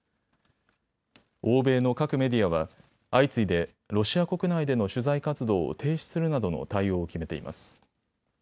欧米の各メディアは相次いでロシア国内での取材活動を停止するなどの対応を決めています。